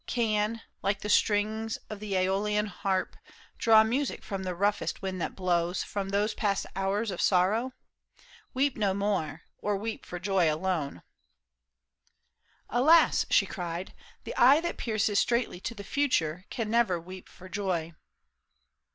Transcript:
Can, like the strings of an ^Eolian harp. Draw music from the roughest wind that blows From those past hours of sorrow .^ Weep no more. Or weep for joy alone." PAUL I SHAM. 49 " Alas !" she cried, '' The eye that pierces straightly to the future Can never weep for joy."